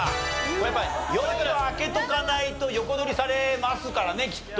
やっぱり４位は開けておかないと横取りされますからねきっと。